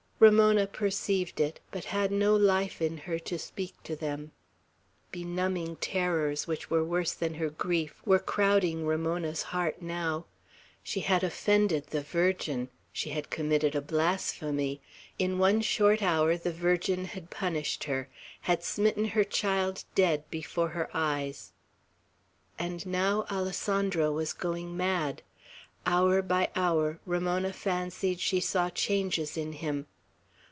Ramona perceived it, but had no life in her to speak to them. Benumbing terrors, which were worse than her grief, were crowding Ramona's heart now. She had offended the Virgin; she had committed a blasphemy: in one short hour the Virgin had punished her, had smitten her child dead before her eyes. And now Alessandro was going mad; hour by hour Ramona fancied she saw changes in him.